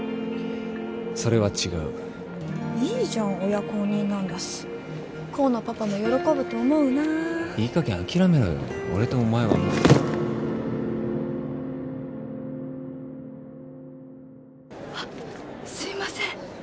それは違ういいじゃん親公認なんだし功のパパも喜ぶと思うないいかげん諦めろよ俺とお前はもうあっすいません